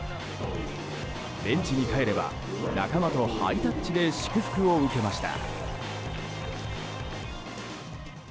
ベンチに帰れば仲間とハイタッチで祝福を受けました。